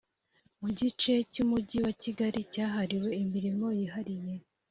mu gice cy umujyi wa kigali cyahariwe imirimo yihariye